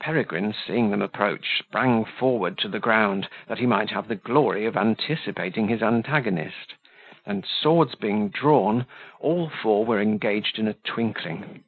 Peregrine, seeing them approach sprang forward to the ground, that he might have the glory of anticipating his antagonist; and swords being drawn, all four were engaged in a twinkling.